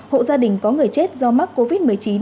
hộ gia đình có người chết do mắc covid một mươi chín